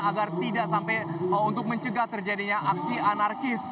agar tidak sampai untuk mencegah terjadinya aksi anarkis